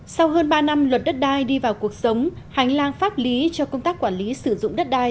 sau hơn ba năm luật đất đai đi vào cuộc sống hành lang pháp lý cho công tác quản lý sử dụng đất đai